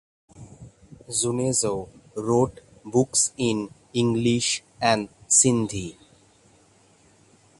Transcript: Junejo wrote books in English and Sindhi.